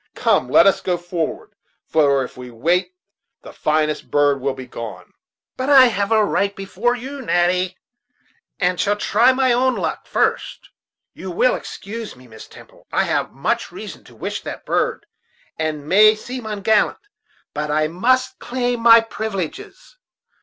Come, let us go forward, for if we wait the finest bird will be gone." "But I have a right before you, Natty, and shall try on my own luck first. You will excuse me, Miss Temple; I have much reason to wish that bird, and may seem ungallant, but I must claim my privileges."